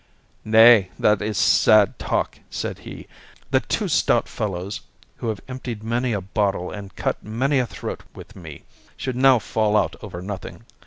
"Nay, this is sad talk," said he, "that two stout fellows who have emptied many a bottle and cut many a throat with me, should now fall out over nothing.